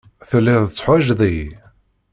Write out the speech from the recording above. Telliḍ teḥwajeḍ-iyi.